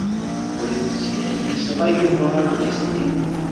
Seg wansi ay d-yesɣa Yuba adlis-nni?